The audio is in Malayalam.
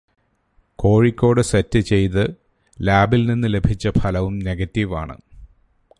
കോഴിക്കോട് സെറ്റ് ചെയ്ത് ലാബില് നിന്ന് ലഭിച്ച ഫലവും നെഗറ്റീവ് ആണ്.